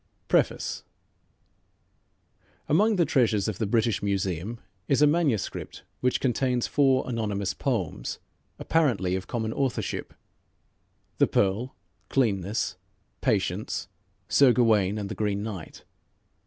PREFACE Among the treasures of the British Museum is a manuscript which contains four anonymous poems, apparently of common authorship: "The Pearl," "Cleanness," "Patience," "Sir Gawayne and the Green Knight."